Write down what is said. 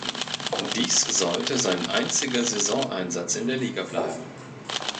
Dies sollte sein einziger Saisoneinsatz in der Liga bleiben.